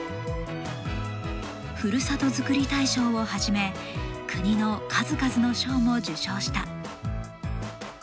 ふるさとづくり大賞をはじめ国の数々の賞も受賞した。